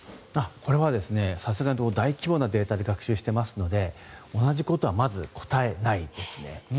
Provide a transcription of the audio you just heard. これはさすがに大規模なデータで学習していますので同じことはまず答えないですね。